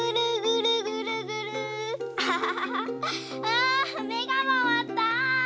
あめがまわった。